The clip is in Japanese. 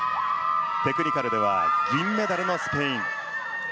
テクニカルでは銀メダルのスペイン。